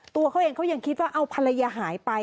ตัวเขาเองเขายังคิดว่าเอาภรรยาหายไป